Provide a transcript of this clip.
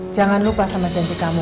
jangan lupa sama janji kamu